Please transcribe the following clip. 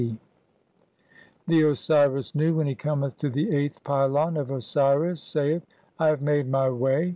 (52) The Osiris Nu, when he cometh to the thirteenth pylon of Osiris, saith :—■ "I have made [my] way.